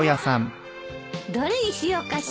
どれにしようかしら。